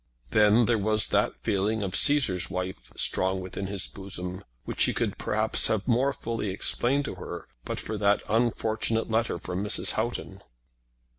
Then there was that feeling of Cæsar's wife strong within his bosom, which he could, perhaps, have more fully explained to her but for that unfortunate letter from Mrs. Houghton.